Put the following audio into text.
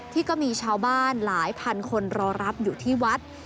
ที่ก็มีชาวบ้านหลายพันคนรอรับอยู่ที่วัด